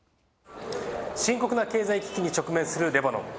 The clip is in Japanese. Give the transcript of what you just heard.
深刻な経済危機に直面するレバノン。